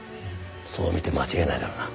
そう見て間違いないだろうな。